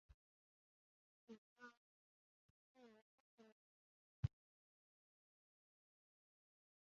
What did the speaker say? พ่อขุนรามคำแหงเจ้าเมืองได้ยินเรียกเมื่อถาม